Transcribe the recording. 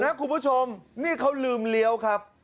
คุณผู้ชมนี่เขาลืมเลี้ยวครับ